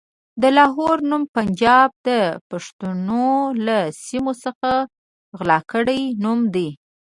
د لاهور نوم پنجاب د پښتنو له سيمو څخه غلا کړی نوم دی.